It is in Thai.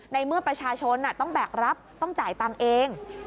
ในเมื่อประชาชนต้องแบกรับต้องจ่ายตังค์เอง